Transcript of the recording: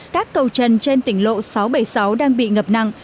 các cầu trần trên tỉnh lộ sáu trăm bảy mươi sáu đang bị ngập nặng